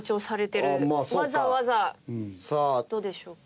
わざわざどうでしょう？